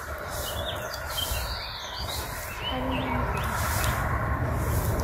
Acḥal-aya mi k-semḥeɣ.